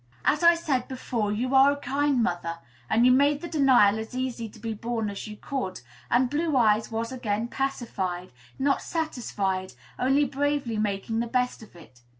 As I said before, you are a kind mother, and you made the denial as easy to be borne as you could, and Blue Eyes was again pacified, not satisfied, only bravely making the best of it.